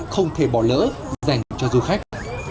không thể bỏ lỡ dành cho du khách